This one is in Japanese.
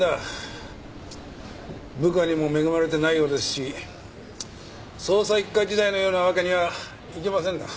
部下にも恵まれてないようですし捜査一課時代のようなわけにはいきませんな。